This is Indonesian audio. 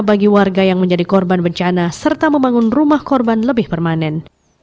bagi warga yang menjadi korban bencana serta membangun rumah korban lebih permanen